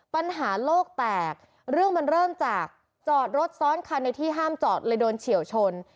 ปัญหาโลกแตกเรื่องมันเริ่มจากจอดรถซ้อนคันในที่ห้ามจอดเลยโดนเฉียวชน